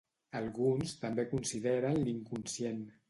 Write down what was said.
Alguns també consideren l'inconscient.